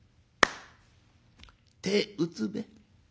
「手打つべ。